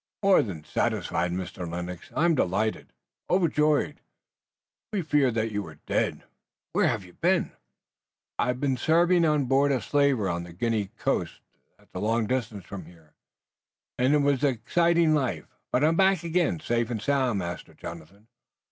"More than satisfied, Mr. Lennox! I'm delighted, Overjoyed! We feared that you were dead! Where have you been?" "I've been serving on board a slaver on the Guinea coast. That's a long distance from here, and it was an exciting life, but I'm back again safe and sound, Master Jonathan."